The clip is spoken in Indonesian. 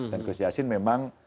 dan gus yassin memang